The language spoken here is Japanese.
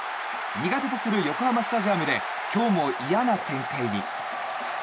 苦手とする横浜スタジアムで今日も嫌な展開に。